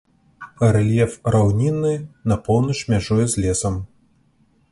Рэльеф раўнінны, на поўнач мяжуе з лесам.